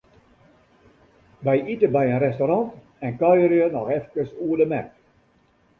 Wy ite by in restaurant en kuierje noch efkes oer de merk.